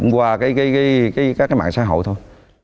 qua các cái mạng xã hội thôi